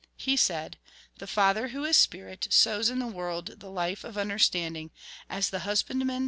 He said: The Father, — who is spirit, — sows in the world the life of understanding, as the husbandman Jn.